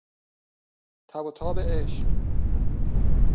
تب و تاب عشق